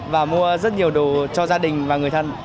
và mua rất nhiều đồ cho gia đình và người thân